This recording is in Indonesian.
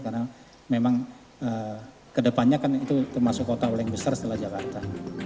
karena memang kedepannya kan itu termasuk kota yang besar setelah jakarta